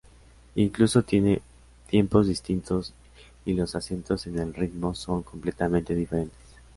Incluso tiene tiempos distintos y los acentos en el ritmo son completamente diferentes.